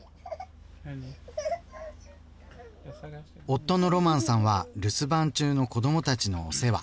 夫のロマンさんは留守番中の子どもたちのお世話。